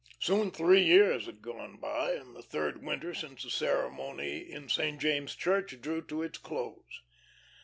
Soon three years had gone by, and the third winter since the ceremony in St. James' Church drew to its close.